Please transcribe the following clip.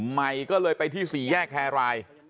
มัยก็เลยไปที่สี่แยกแฮร์ไลน์